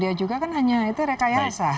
itu kan hanya itu rekayasa